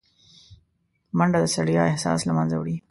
منډه د ستړیا احساس له منځه وړي